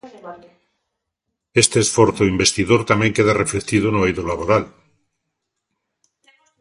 Este esforzo investidor tamén queda reflectido no eido laboral.